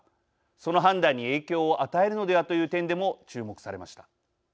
その判断に影響を与えるのではという点でも注目されました。